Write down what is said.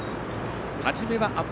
初めはアップ